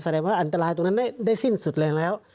ว่าอันตรายตรงนั้นได้สิ้นสุดแรงแล้ว